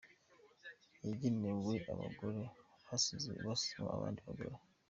yagenewe abagore basizemo abandi bagore.